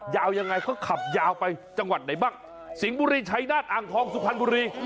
ยาวยังไงเขาขับยาวไปจังหวัดไหนบ้างสิงห์บุรีชัยนาฏอ่างทองสุพรรณบุรี